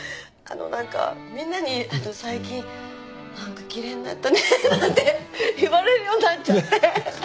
何かみんなに最近何か奇麗になったねなんて言われるようになっちゃって。